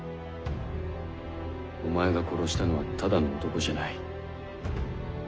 お前が殺したのはただの男じゃない。